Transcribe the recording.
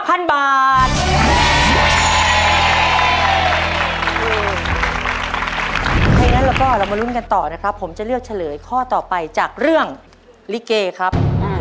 ถ้าอย่างนั้นเราก็เรามาลุ้นกันต่อนะครับผมจะเลือกเฉลยข้อต่อไปจากเรื่องลิเกครับ